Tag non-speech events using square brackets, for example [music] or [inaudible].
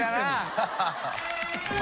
ハハハ [laughs]